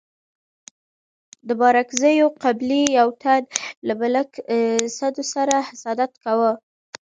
د بارکزيو قبيلي يو تن له ملک سدو سره حسادت کاوه.